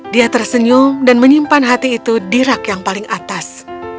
dia tersenyum dan menyimpan hati itu di rak yang paling atas